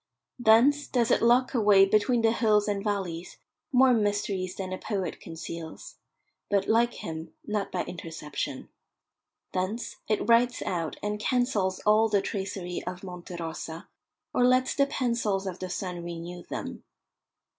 Thence does it lock away between the hills and valleys more mysteries than a poet conceals, but, like him, not by interception. Thence it writes out and cancels all the tracery of Monte Rosa, or lets the pencils of the sun renew them.